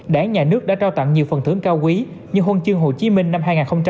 đảng nhà nước đã trao tặng nhiều phần thưởng cao quý như hồn chương hồ chí minh năm hai nghìn sáu